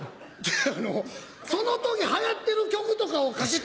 その時はやってる曲とかをかけて。